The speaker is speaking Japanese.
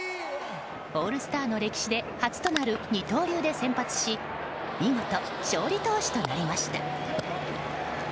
オールスターの歴史で初となる二刀流で先発し見事、勝利投手となりました。